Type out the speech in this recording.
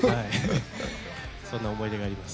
そんな思い出があります。